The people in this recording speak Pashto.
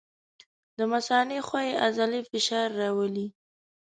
د مثانې ښویې عضلې فشار راولي.